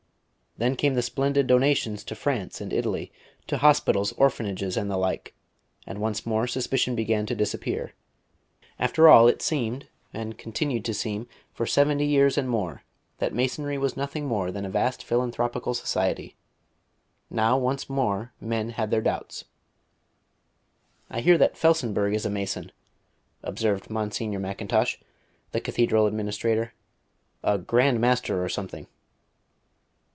Then came the splendid donations in France and Italy to hospitals, orphanages, and the like; and once more suspicion began to disappear. After all, it seemed and continued to seem for seventy years and more that Masonry was nothing more than a vast philanthropical society. Now once more men had their doubts. "I hear that Felsenburgh is a Mason," observed Monsignor Macintosh, the Cathedral Administrator. "A Grand Master or something."